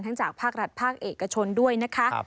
จากภาครัฐภาคเอกชนด้วยนะคะ